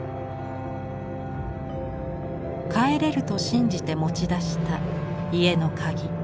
帰れると信じて持ち出した家の鍵。